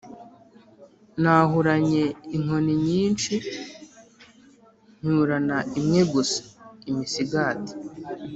Nahuranye inkoni nyinshi ncyurana imwe gusa-Imisigati.